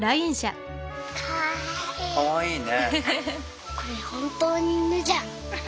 かわいいね。